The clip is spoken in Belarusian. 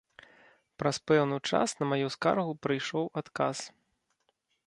Праз пэўны час на маю скаргу прыйшоў адказ.